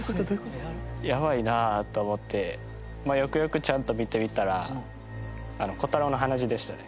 やばいなと思ってよくよくちゃんと見てみたら彪太郎の鼻血でしたね。